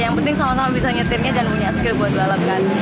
yang penting sama sama bisa nyetirnya dan punya skill buat balap kan